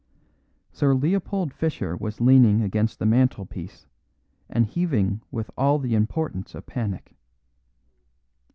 Sir Leopold Fischer was leaning against the mantelpiece and heaving with all the importance of panic.